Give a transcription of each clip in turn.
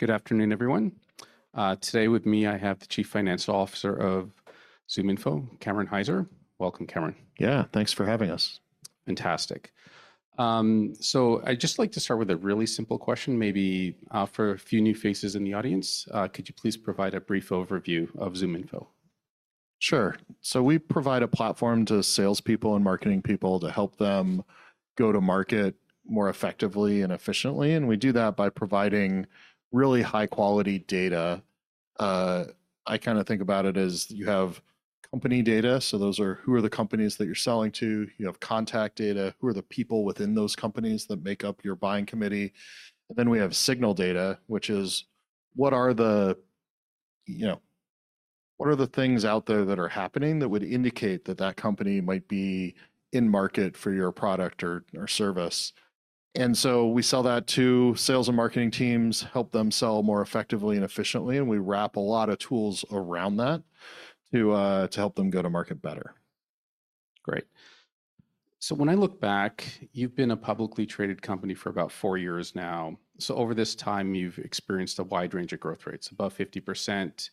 Good afternoon, everyone. Today with me, I have the Chief Financial Officer of ZoomInfo, Cameron Hyzer. Welcome, Cameron. Yeah, thanks for having us. Fantastic. So I'd just like to start with a really simple question, maybe, for a few new faces in the audience. Could you please provide a brief overview of ZoomInfo? Sure. So we provide a platform to salespeople and marketing people to help them go to market more effectively and efficiently, and we do that by providing really high-quality data. I kind of think about it as you have company data, so those are who are the companies that you're selling to? You have contact data, who are the people within those companies that make up your buying committee? And then we have signal data, which is: what are the, you know, what are the things out there that are happening that would indicate that that company might be in market for your product or, or service? And so we sell that to sales and marketing teams, help them sell more effectively and efficiently, and we wrap a lot of tools around that to, to help them go to market better. Great. So when I look back, you've been a publicly traded company for about four years now. So over this time, you've experienced a wide range of growth rates, above 50%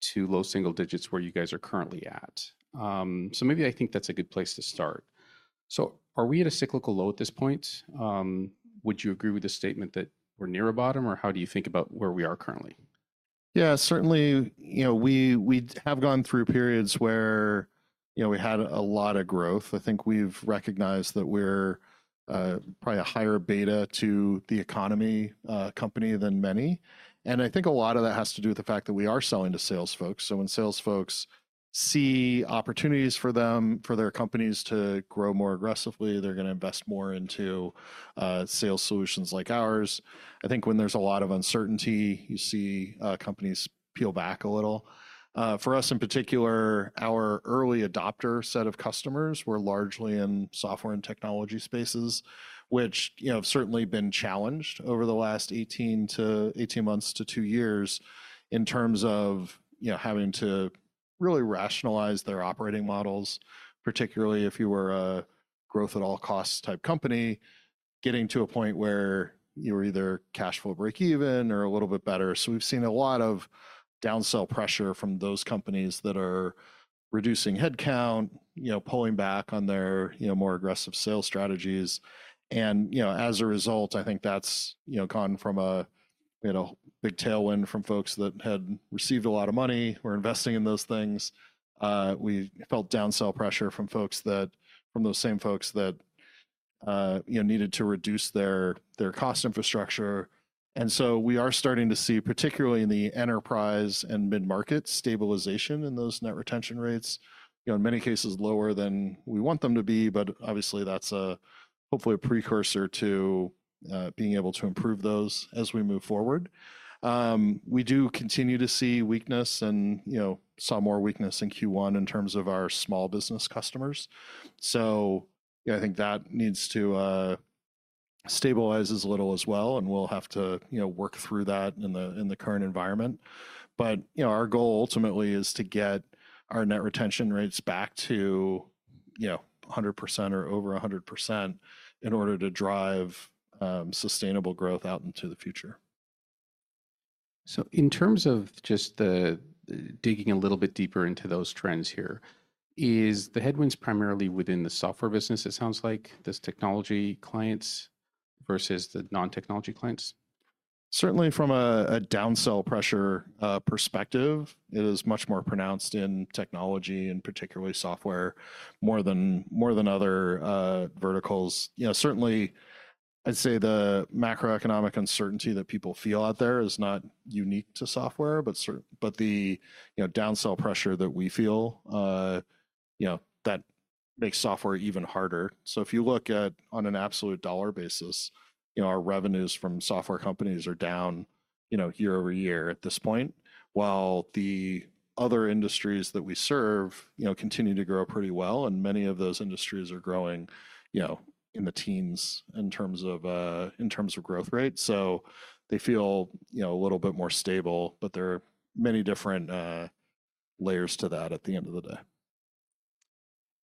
to low single digits, where you guys are currently at. So maybe I think that's a good place to start. So are we at a cyclical low at this point? Would you agree with the statement that we're near a bottom, or how do you think about where we are currently? Yeah, certainly, you know, we have gone through periods where, you know, we had a lot of growth. I think we've recognized that we're probably a higher beta to the economy company than many. And I think a lot of that has to do with the fact that we are selling to sales folks. So when sales folks see opportunities for them, for their companies to grow more aggressively, they're gonna invest more into sales solutions like ours. I think when there's a lot of uncertainty, you see companies peel back a little. For us, in particular, our early adopter set of customers were largely in software and technology spaces, which, you know, have certainly been challenged over the last 18 months to two years, in terms of, you know, having to really rationalize their operating models, particularly if you were a growth-at-all-costs type company, getting to a point where you were either cash flow breakeven or a little bit better. So we've seen a lot of downsell pressure from those companies that are reducing headcount, you know, pulling back on their, you know, more aggressive sales strategies. You know, as a result, I think that's, you know, gone from a, you know, big tailwind from folks that had received a lot of money, were investing in those things. We felt downsell pressure from those same folks that, you know, needed to reduce their cost infrastructure. And so we are starting to see, particularly in the enterprise and mid-market, stabilization in those net retention rates. You know, in many cases lower than we want them to be, but obviously that's a, hopefully, a precursor to being able to improve those as we move forward. We do continue to see weakness and, you know, saw more weakness in Q1 in terms of our small business customers. So I think that needs to stabilize as little as well, and we'll have to, you know, work through that in the current environment. You know, our goal ultimately is to get our net retention rates back to, you know, 100% or over 100% in order to drive sustainable growth out into the future. In terms of just the digging a little bit deeper into those trends here, is the headwinds primarily within the software business, it sounds like, these technology clients versus the non-technology clients? Certainly from a downsell pressure perspective, it is much more pronounced in technology and particularly software, more than other verticals. You know, certainly, I'd say the macroeconomic uncertainty that people feel out there is not unique to software, but but the, you know, downsell pressure that we feel, you know, that makes software even harder. So if you look at on an absolute dollar basis, you know, our revenues from software companies are down, you know, year-over-year at this point, while the other industries that we serve, you know, continue to grow pretty well, and many of those industries are growing, you know, in the teens in terms of in terms of growth rate. So they feel, you know, a little bit more stable, but there are many different layers to that at the end of the day.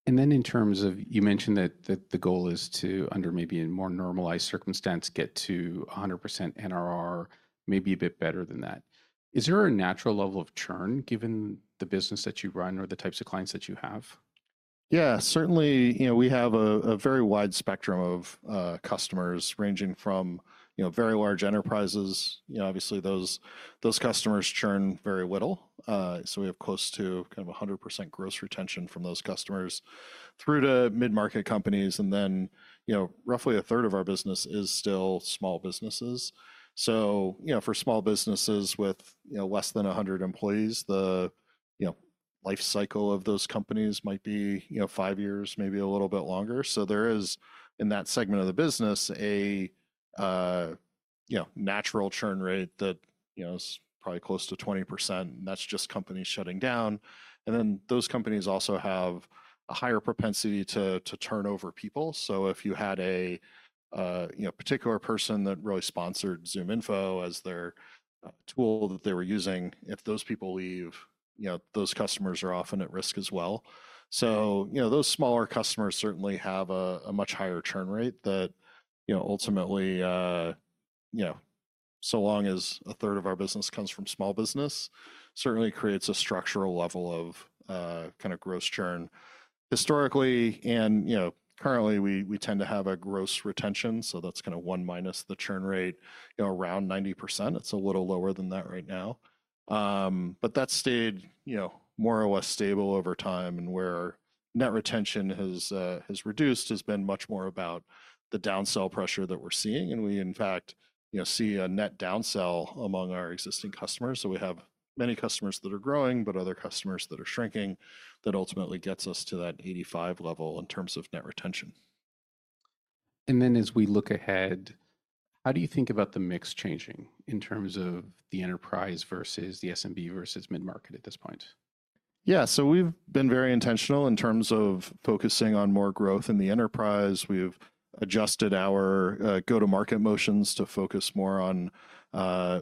And then in terms of... You mentioned that the goal is to, under maybe a more normalized circumstance, get to 100% NRR, maybe a bit better than that. Is there a natural level of churn, given the business that you run or the types of clients that you have? Yeah, certainly, you know, we have a very wide spectrum of customers, ranging from, you know, very large enterprises. You know, obviously, those customers churn very little. So we have close to kind of 100% gross retention from those customers through to mid-market companies. And then, you know, roughly a third of our business is still small businesses. So, you know, for small businesses with, you know, less than 100 employees, the, you know, life cycle of those companies might be, you know, five years, maybe a little bit longer. So there is, in that segment of the business, a, you know, natural churn rate that, you know, is probably close to 20%, and that's just companies shutting down. And then those companies also have a higher propensity to turn over people. So if you had a, you know, particular person that really sponsored ZoomInfo as their tool that they were using, if those people leave, you know, those customers are often at risk as well. So, you know, those smaller customers certainly have a much higher churn rate that, you know, ultimately, you know, so long as a third of our business comes from small business, certainly creates a structural level of kind of gross churn. Historically, and, you know, currently, we tend to have a gross retention, so that's kind of one minus the churn rate, you know, around 90%. It's a little lower than that right now. But that's stayed, you know, more or less stable over time, and where net retention has reduced, has been much more about the downsell pressure that we're seeing. We, in fact, you know, see a net downsell among our existing customers. We have many customers that are growing, but other customers that are shrinking, that ultimately gets us to that 85 level in terms of net retention. As we look ahead, how do you think about the mix changing in terms of the enterprise versus the SMB versus mid-market at this point? Yeah. So we've been very intentional in terms of focusing on more growth in the enterprise. We've adjusted our go-to-market motions to focus more on,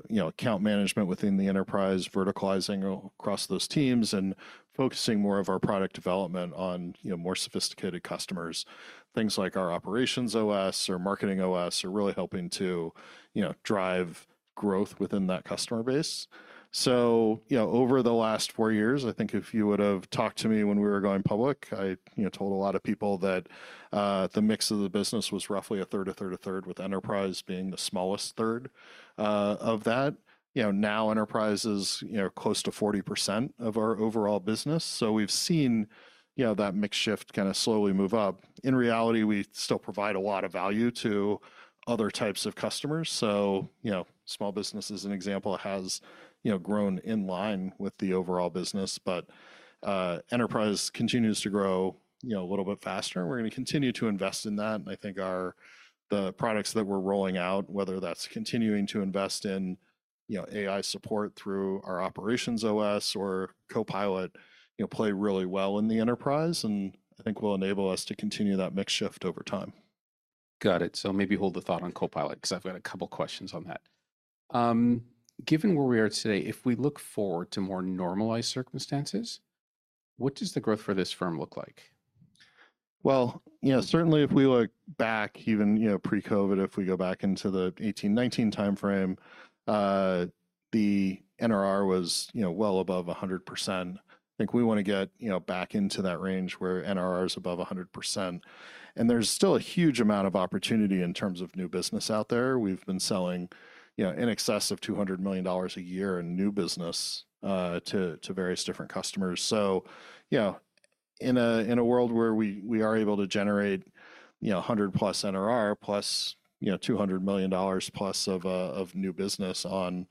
you know, account management within the enterprise, verticalizing across those teams, and focusing more of our product development on, you know, more sophisticated customers. Things like our OperationsOS or MarketingOS are really helping to, you know, drive growth within that customer base. So, you know, over the last four years, I think if you would've talked to me when we were going public, I, you know, told a lot of people that the mix of the business was roughly a third, a third, a third, with enterprise being the smallest third of that. You know, now enterprise is, you know, close to 40% of our overall business, so we've seen, you know, that mix shift kinda slowly move up. In reality, we still provide a lot of value to other types of customers. So, you know, small business, as an example, has, you know, grown in line with the overall business, but enterprise continues to grow, you know, a little bit faster, and we're gonna continue to invest in that. And I think the products that we're rolling out, whether that's continuing to invest in, you know, AI support through our OperationsOS or Copilot, you know, play really well in the enterprise and I think will enable us to continue that mix shift over time. Got it. Maybe hold the thought on Copilot, 'cause I've got a couple questions on that. Given where we are today, if we look forward to more normalized circumstances, what does the growth for this firm look like? Well, you know, certainly if we look back, even, you know, pre-COVID, if we go back into the 2018, 2019 timeframe, the NRR was, you know, well above 100%. I think we wanna get, you know, back into that range where NRR is above 100%. And there's still a huge amount of opportunity in terms of new business out there. We've been selling, you know, in excess of $200 million a year in new business, to various different customers. So, you know, in a world where we are able to generate, you know, 100+ NRR, plus, you know, $200 million+ of new business on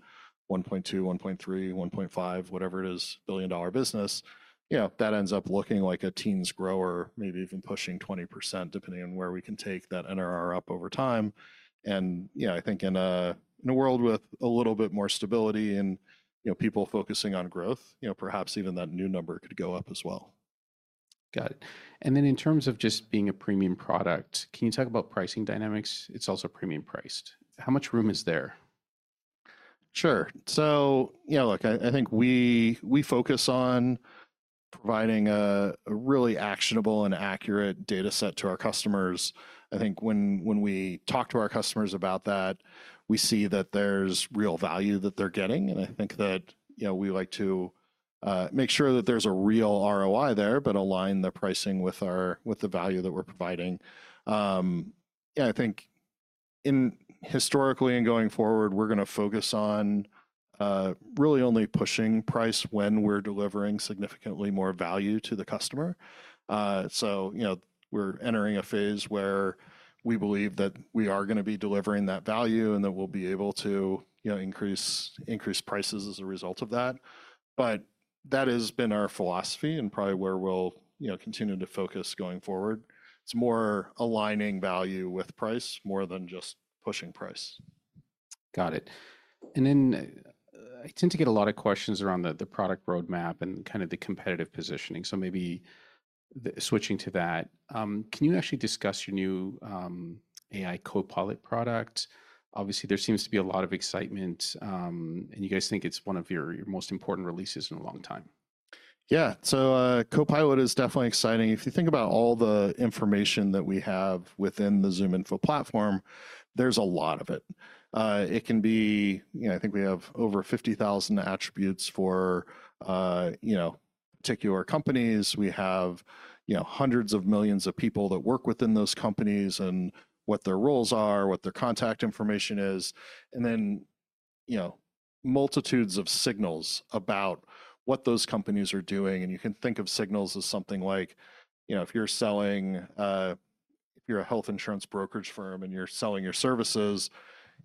1.2, 1.3, 1.5, whatever it is, billion-dollar business, you know, that ends up looking like a teens grower, maybe even pushing 20%, depending on where we can take that NRR up over time. And, you know, I think in a world with a little bit more stability and, you know, people focusing on growth, you know, perhaps even that new number could go up as well. Got it. And then in terms of just being a premium product, can you talk about pricing dynamics? It's also premium priced. How much room is there? Sure. So, you know, look, I think we focus on providing a really actionable and accurate data set to our customers. I think when we talk to our customers about that, we see that there's real value that they're getting, and I think that, you know, we like to make sure that there's a real ROI there, but align the pricing with the value that we're providing. Yeah, I think historically and going forward, we're gonna focus on really only pushing price when we're delivering significantly more value to the customer. So, you know, we're entering a phase where we believe that we are gonna be delivering that value, and that we'll be able to, you know, increase prices as a result of that. But that has been our philosophy, and probably where we'll, you know, continue to focus going forward. It's more aligning value with price, more than just pushing price. Got it. And then, I tend to get a lot of questions around the, the product roadmap and kind of the competitive positioning, so maybe switching to that, can you actually discuss your new, AI Copilot product? Obviously, there seems to be a lot of excitement, and you guys think it's one of your, your most important releases in a long time. Yeah. So, Copilot is definitely exciting. If you think about all the information that we have within the ZoomInfo platform, there's a lot of it. It can be... You know, I think we have over 50,000 attributes for, you know, particular companies. We have, you know, hundreds of millions of people that work within those companies, and what their roles are, what their contact information is, and then, you know, multitudes of signals about what those companies are doing. And you can think of signals as something like, you know, if you're selling, if you're a health insurance brokerage firm and you're selling your services,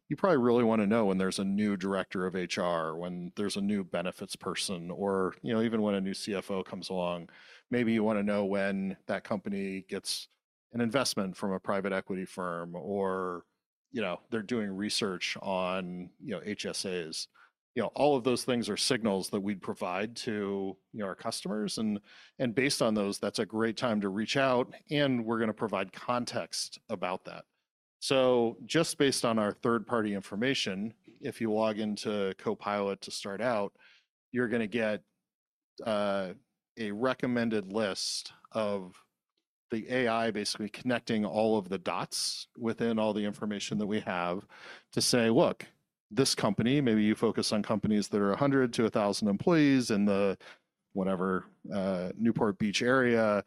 you probably really wanna know when there's a new director of HR, when there's a new benefits person, or, you know, even when a new CFO comes along. Maybe you wanna know when that company gets an investment from a private equity firm or, you know, they're doing research on, you know, HSAs. You know, all of those things are signals that we provide to, you know, our customers and, and based on those, that's a great time to reach out, and we're gonna provide context about that. So just based on our third-party information, if you log into Copilot to start out, you're gonna get a recommended list of the AI basically connecting all of the dots within all the information that we have to say, "Look, this company," maybe you focus on companies that are 100-1,000 employees in the whatever, Newport Beach area.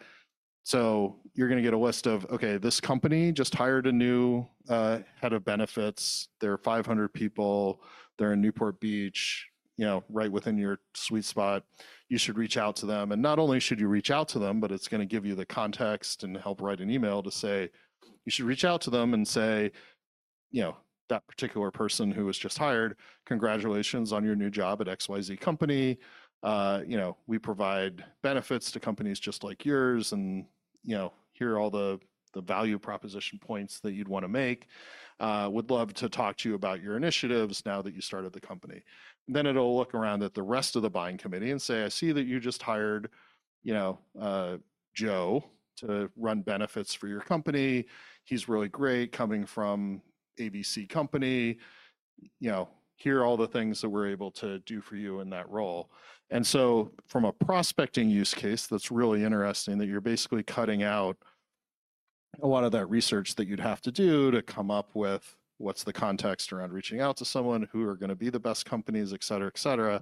So you're gonna get a list of, okay, this company just hired a new head of benefits. There are 500 people. They're in Newport Beach, you know, right within your sweet spot. You should reach out to them, and not only should you reach out to them, but it's gonna give you the context and help write an email to say, "You should reach out to them," and say, you know, that particular person who was just hired, "Congratulations on your new job at XYZ company. You know, we provide benefits to companies just like yours," and, you know, "Here are all the value proposition points that you'd wanna make. Would love to talk to you about your initiatives now that you started the company." Then it'll look around at the rest of the buying committee and say, "I see that you just hired, you know, Joe, to run benefits for your company. He's really great, coming from ABC Company. You know, here are all the things that we're able to do for you in that role." And so from a prospecting use case, that's really interesting, that you're basically cutting out a lot of that research that you'd have to do to come up with what's the context around reaching out to someone, who are gonna be the best companies, et cetera, et cetera.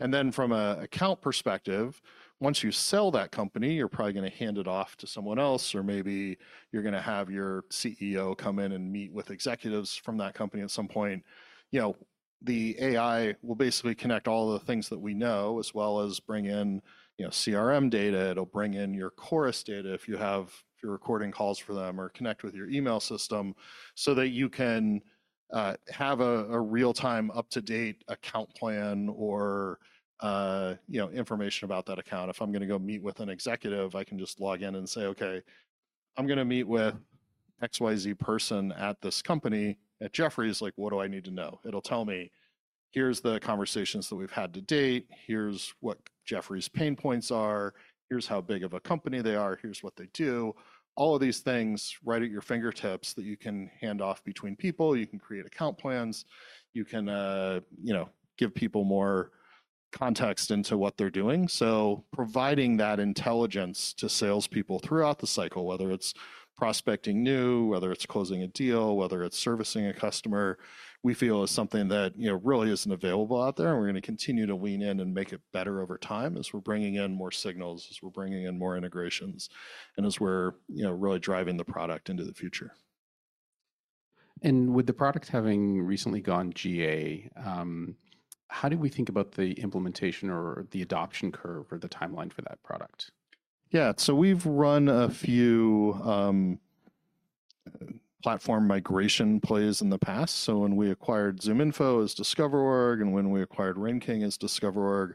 And then from an account perspective, once you sell that company, you're probably gonna hand it off to someone else, or maybe you're gonna have your CEO come in and meet with executives from that company at some point. You know, the AI will basically connect all the things that we know, as well as bring in, you know, CRM data. It'll bring in your Chorus data, if you're recording calls for them, or connect with your email system so that you can have a real-time, up-to-date account plan or, you know, information about that account. If I'm gonna go meet with an executive, I can just log in and say, "Okay, I'm gonna meet with XYZ person at this company, at Jefferies. Like, what do I need to know?" It'll tell me, "Here's the conversations that we've had to date. Here's what Jefferies' pain points are. Here's how big of a company they are. Here's what they do." All of these things right at your fingertips that you can hand off between people. You can create account plans. You can, you know, give people more context into what they're doing. So, providing that intelligence to salespeople throughout the cycle, whether it's prospecting new, whether it's closing a deal, whether it's servicing a customer, we feel is something that, you know, really isn't available out there, and we're gonna continue to lean in and make it better over time as we're bringing in more signals, as we're bringing in more integrations, and as we're, you know, really driving the product into the future. With the product having recently gone GA, how do we think about the implementation or the adoption curve or the timeline for that product? Yeah. So we've run a few platform migration plays in the past. So when we acquired ZoomInfo as DiscoverOrg, and when we acquired RainKing as DiscoverOrg,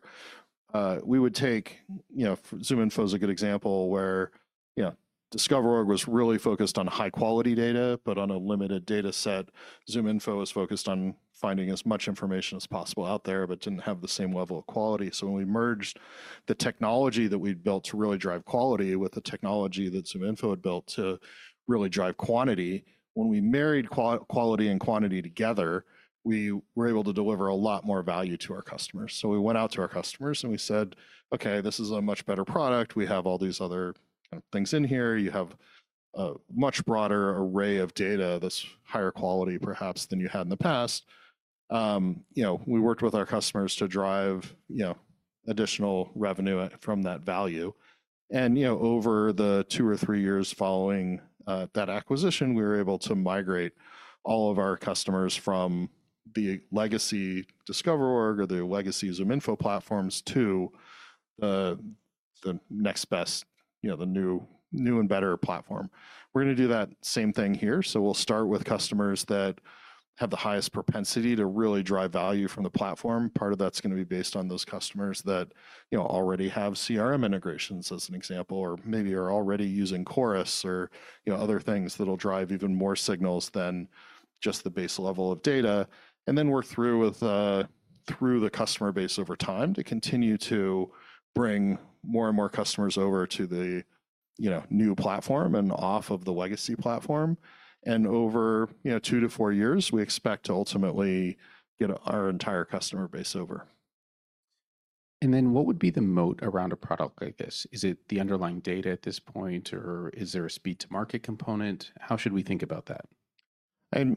we would take... You know, ZoomInfo is a good example where, you know, DiscoverOrg was really focused on high-quality data, but on a limited data set. ZoomInfo was focused on finding as much information as possible out there but didn't have the same level of quality. So when we merged the technology that we'd built to really drive quality with the technology that ZoomInfo had built to really drive quantity, when we married quality and quantity together, we were able to deliver a lot more value to our customers. So we went out to our customers, and we said: "Okay, this is a much better product. We have all these other things in here. You have a much broader array of data that's higher quality, perhaps, than you had in the past." You know, we worked with our customers to drive, you know, additional revenue from that value. You know, over the two or three years following that acquisition, we were able to migrate all of our customers from the legacy DiscoverOrg or the legacy ZoomInfo platforms to the next best, you know, the new and better platform. We're gonna do that same thing here, so we'll start with customers that have the highest propensity to really drive value from the platform. Part of that's gonna be based on those customers that, you know, already have CRM integrations, as an example, or maybe are already using Chorus or, you know, other things that'll drive even more signals than just the base level of data. And then work through with, through the customer base over time to continue to bring more and more customers over to the, you know, new platform and off of the legacy platform. Over, you know, two to four years, we expect to ultimately get our entire customer base over. And then what would be the moat around a product like this? Is it the underlying data at this point, or is there a speed-to-market component? How should we think about that?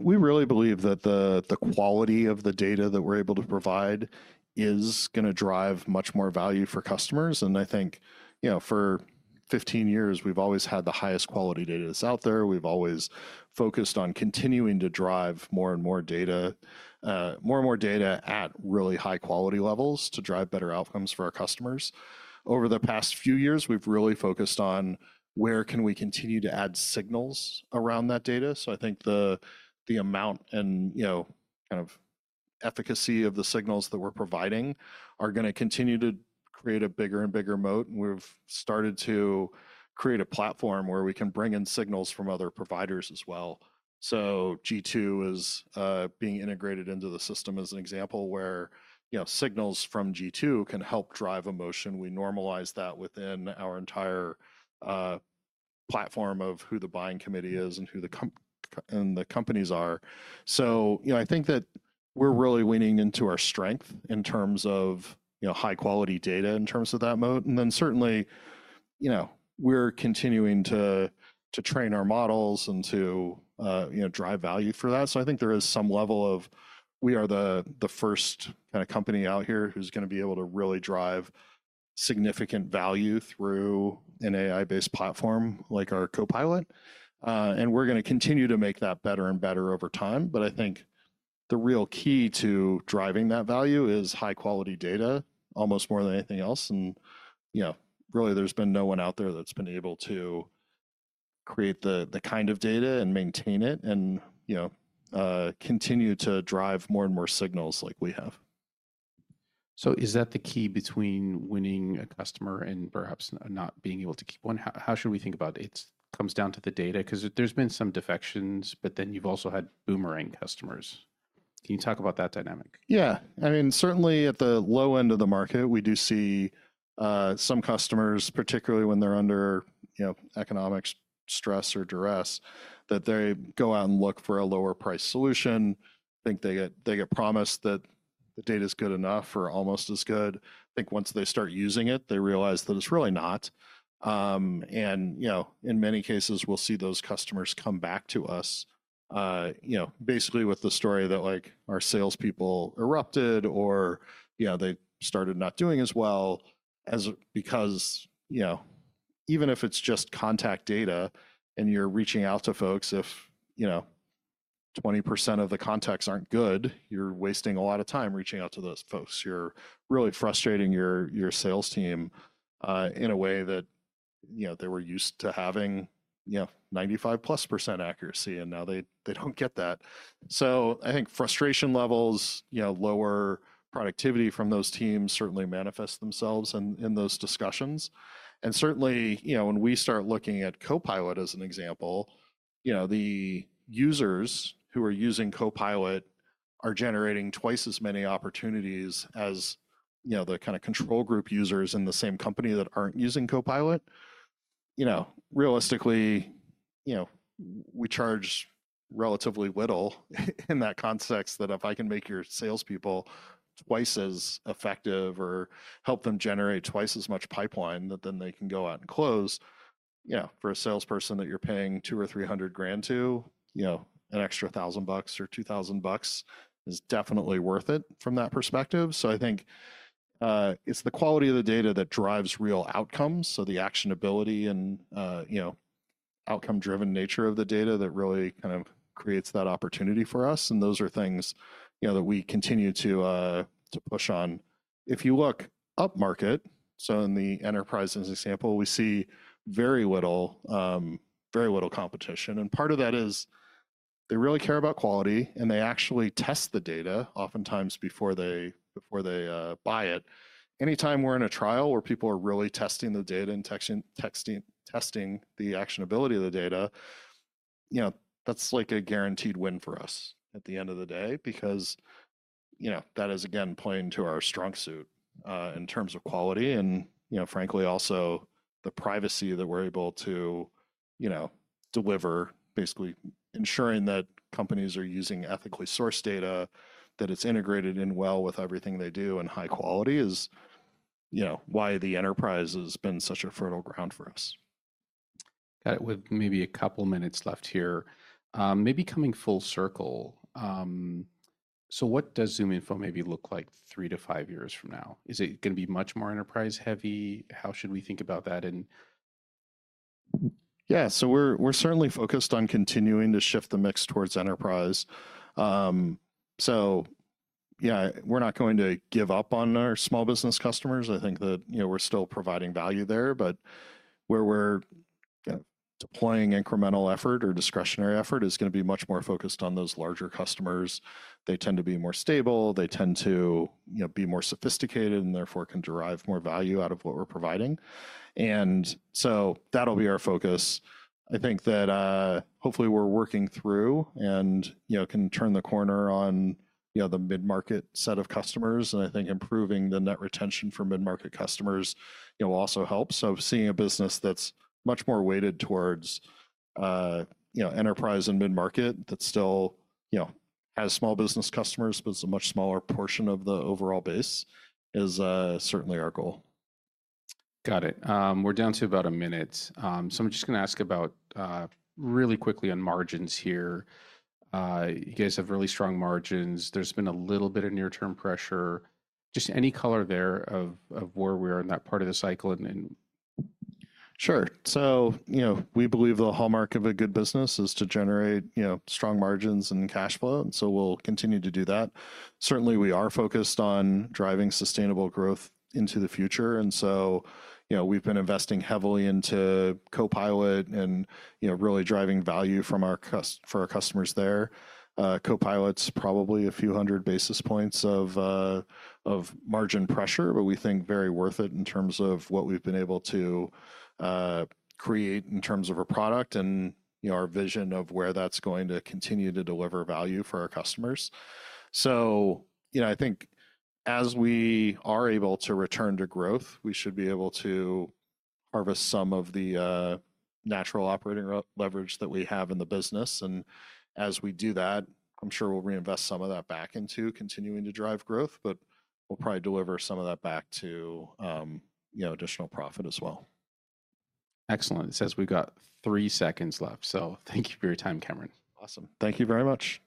We really believe that the quality of the data that we're able to provide is gonna drive much more value for customers. And I think, you know, for 15 years, we've always had the highest quality data that's out there. We've always focused on continuing to drive more and more data, more and more data at really high quality levels to drive better outcomes for our customers. Over the past few years, we've really focused on where can we continue to add signals around that data? So I think the amount and, you know, kind of efficacy of the signals that we're providing are gonna continue to create a bigger and bigger moat, and we've started to create a platform where we can bring in signals from other providers as well. So G2 is being integrated into the system as an example, where, you know, signals from G2 can help drive a motion. We normalize that within our entire platform of who the buying committee is and who the companies are. So, you know, I think that we're really leaning into our strength in terms of, you know, high-quality data in terms of that moat. And then certainly, you know, we're continuing to train our models and to, you know, drive value for that. So I think there is some level of, we are the first kind of company out here who's gonna be able to really drive significant value through an AI-based platform like our Copilot. And we're gonna continue to make that better and better over time. But I think the real key to driving that value is high-quality data, almost more than anything else, and, you know, really there's been no one out there that's been able to create the kind of data and maintain it and, you know, continue to drive more and more signals like we have. So is that the key between winning a customer and perhaps not being able to keep one? How, how should we think about it? It comes down to the data, 'cause there's been some defections, but then you've also had boomerang customers. Can you talk about that dynamic? Yeah. I mean, certainly at the low end of the market, we do see some customers, particularly when they're under, you know, economic stress or duress, that they go out and look for a lower-priced solution. I think they get, they get promised that the data's good enough or almost as good. I think once they start using it, they realize that it's really not. And, you know, in many cases, we'll see those customers come back to us, you know, basically with the story that, like, our salespeople erupted or, you know, they started not doing as well as—because, you know, even if it's just contact data and you're reaching out to folks, if, you know, 20% of the contacts aren't good, you're wasting a lot of time reaching out to those folks. You're really frustrating your sales team in a way that, you know, they were used to having, you know, 95%+ accuracy, and now they don't get that. So I think frustration levels, you know, lower productivity from those teams certainly manifest themselves in those discussions. And certainly, you know, when we start looking at Copilot, as an example, you know, the users who are using Copilot are generating twice as many opportunities as, you know, the kind of control group users in the same company that aren't using Copilot. You know, realistically, you know, we charge relatively little in that context, that if I can make your salespeople twice as effective or help them generate twice as much pipeline, that then they can go out and close, you know, for a salesperson that you're paying $200,000 or $300,000 to, you know, an extra $1,000 or $2,000 is definitely worth it from that perspective. So I think, it's the quality of the data that drives real outcomes, so the actionability and, you know, outcome-driven nature of the data that really kind of creates that opportunity for us, and those are things, you know, that we continue to, to push on. If you look upmarket, so in the enterprise, as an example, we see very little competition, and part of that is they really care about quality, and they actually test the data oftentimes before they buy it. Anytime we're in a trial where people are really testing the data and testing the actionability of the data, you know, that's like a guaranteed win for us at the end of the day because, you know, that is, again, playing to our strong suit in terms of quality and, you know, frankly, also the privacy that we're able to deliver, basically ensuring that companies are using ethically sourced data, that it's integrated in well with everything they do, and high quality is, you know, why the enterprise has been such a fertile ground for us. Got it. With maybe a couple minutes left here, maybe coming full circle, so what does ZoomInfo maybe look like three to five years from now? Is it gonna be much more enterprise-heavy? How should we think about that and- Yeah. So we're, we're certainly focused on continuing to shift the mix towards enterprise. So yeah, we're not going to give up on our small business customers. I think that, you know, we're still providing value there, but where we're, you know, deploying incremental effort or discretionary effort is gonna be much more focused on those larger customers. They tend to be more stable, they tend to, you know, be more sophisticated, and therefore, can derive more value out of what we're providing. And so that'll be our focus. I think that, hopefully we're working through and, you know, can turn the corner on, you know, the mid-market set of customers, and I think improving the net retention for mid-market customers, you know, will also help. Seeing a business that's much more weighted towards, you know, enterprise and mid-market, that still, you know, has small business customers, but it's a much smaller portion of the overall base, is certainly our goal. Got it. We're down to about a minute. So I'm just gonna ask about really quickly on margins here. You guys have really strong margins. There's been a little bit of near-term pressure. Just any color there of where we are in that part of the cycle and... Sure. So, you know, we believe the hallmark of a good business is to generate, you know, strong margins and cash flow, and so we'll continue to do that. Certainly, we are focused on driving sustainable growth into the future, and so, you know, we've been investing heavily into Copilot and, you know, really driving value for our customers there. Copilot's probably a few hundred basis points of margin pressure, but we think very worth it in terms of what we've been able to create in terms of a product and, you know, our vision of where that's going to continue to deliver value for our customers. So, you know, I think as we are able to return to growth, we should be able to harvest some of the natural operating leverage that we have in the business. As we do that, I'm sure we'll reinvest some of that back into continuing to drive growth, but we'll probably deliver some of that back to, you know, additional profit as well. Excellent. It says we've got three seconds left, so thank you for your time, Cameron. Awesome. Thank you very much!